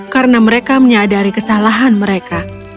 karena mereka menyadari kesalahan mereka